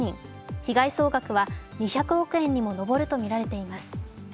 被害総額は２００億円にも上るとみられています。